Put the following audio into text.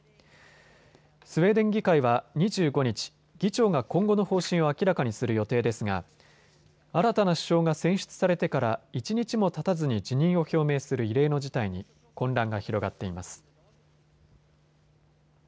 スウェーデン議会は２５日、議長が今後の方針を明らかにする予定ですが新たな首相が選出されてから一日もたたずに辞任を表明する異例の事態に混乱が広がっています。